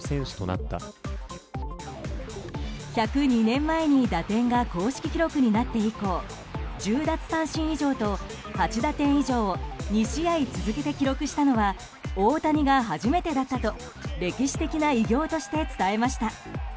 １０２年前に打点が公式記録になって以降１０奪三振以上と８打点以上を２試合続けて記録したのは大谷が初めてだったと歴史的な偉業として伝えました。